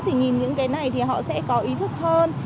thì nhìn những cái này thì họ sẽ có ý thức hơn